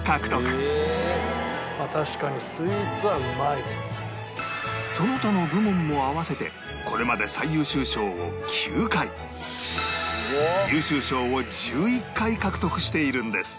確かにその他の部門も合わせてこれまで最優秀賞を９回優秀賞を１１回獲得しているんです